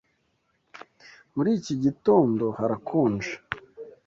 Muri iki gitondo harakonje.